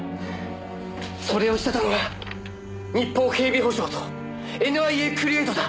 それをしてたのが日邦警備保障とＮＩＡクリエイトだ。